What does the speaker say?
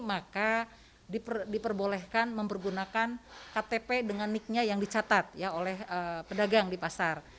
maka diperbolehkan mempergunakan ktp dengan nicknya yang dicatat oleh pedagang di pasar